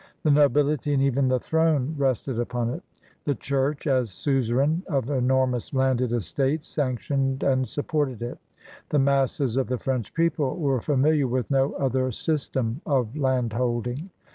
The nobility and even the throne rested upon it. The Qiurch, as suzerain of enormous landed estates, sanctioned and supported it. The masses of the French people were familiar with no other system of landholding.